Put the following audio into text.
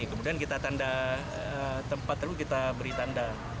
kemudian kita tanda tempat dulu kita beri tanda